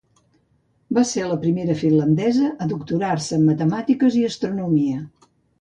Va ser la primera finlandesa a doctorar-se en matemàtiques i astronomia.